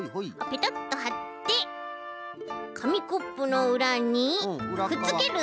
ペトッとはってかみコップのうらにくっつける。